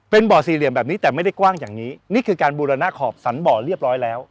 เป็นบ่อสี่เหลี่ยมแบบนี้แต่ไม่ได้กว้างอย่างนี้นี่คือการบูรณะขอบสันบ่อเรียบร้อยแล้ว